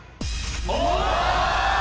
⁉お！